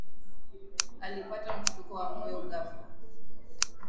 Alipata mshtuko wa moyo ghafla